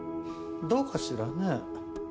どうかしらね。